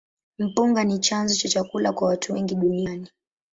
Mpunga ni chanzo cha chakula kwa watu wengi duniani.